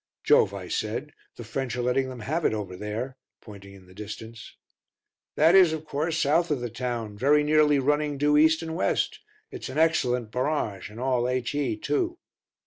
"Jove," I said, "the French are letting them have it over there," pointing in the distance. "That is, of course, south of the town, very nearly running due east and west it's an excellent barrage and all H.E., too."